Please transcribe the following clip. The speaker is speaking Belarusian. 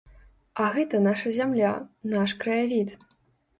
А гэта наша зямля, наш краявід.